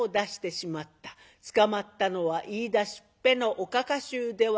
捕まったのは言いだしっぺのおかか衆ではなくってその夫たち。